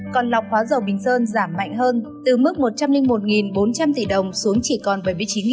còn lọc hóa dầu bình sơn giảm mạnh hơn từ mức một trăm linh một bốn trăm linh tỷ đồng xuống chỉ còn bảy mươi chín bốn trăm linh tỷ đồng